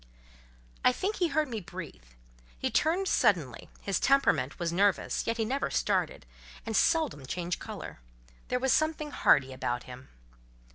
I think he heard me breathe. He turned suddenly: his temperament was nervous, yet he never started, and seldom changed colour: there was something hardy about him.